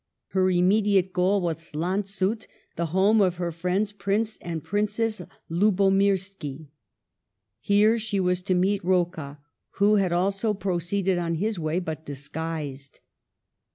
Her immedi ate goal was Lanzut — the home of her friends Prince and Princess Lubomirski. Here she was to meet Rocca, who had also proceeded on his way, but disguised.